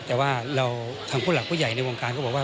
แต่ว่าเราทางผู้หลักผู้ใหญ่ในวงการก็บอกว่า